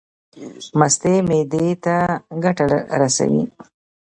مستې معدې ته څه ګټه رسوي؟